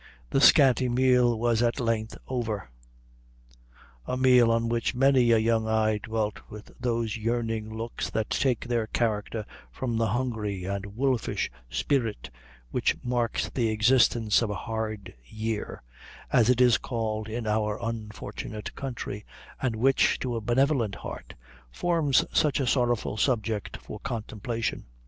The scanty meal was at length over; a meal on which many a young eye dwelt with those yearning looks that take their character from the hungry and wolfish spirit which marks the existence of a "hard year," as it is called in our unfortunate country, and which, to a benevolent heart, forms such a sorrowful subject for contemplation.